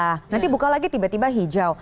lihat aja tadi buka lagi tiba tiba hijau